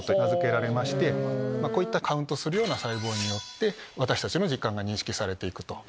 カウントするような細胞によって私たちの時間が認識されていく。